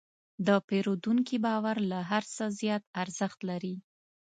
د پیرودونکي باور له هر څه زیات ارزښت لري.